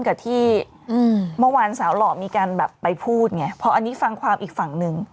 กับที่เมื่อวานสาวหล่อมีการแบบไปพูดไงเพราะอันนี้ฟังความอีกฝั่งหนึ่ง